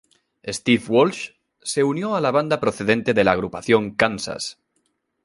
Steve Walsh se unió a la banda procedente de la agrupación Kansas.